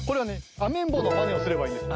アメンボのまねをすればいいです。